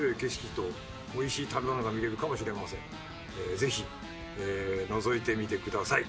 ぜひのぞいてみてください。